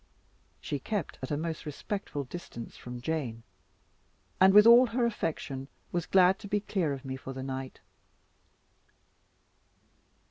She kept at a most respectful distance from Jane; and, with all her affection, was glad to be clear of me for the night.